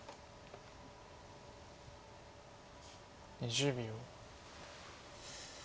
２０秒。